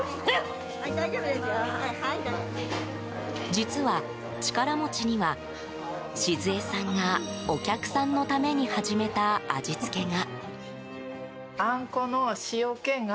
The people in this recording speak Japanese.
実は、力餅には静恵さんがお客さんのために始めた味付けが。